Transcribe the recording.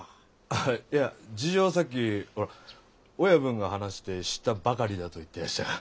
いや事情はさっきほら親分が話して知ったばかりだと言ってやしたが。